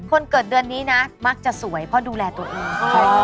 คนเกิดเดือนนี้นะมักจะสวยเพราะดูแลตัวเอง